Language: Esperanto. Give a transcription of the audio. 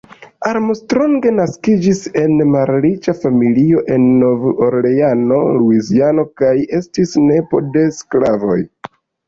Armstrong naskiĝis en malriĉa familio en Nov-Orleano, Luiziano, kaj estis nepo de sklavoj.